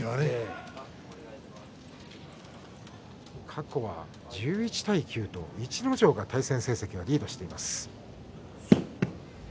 過去は１１対９と逸ノ城の対戦成績がリードしています。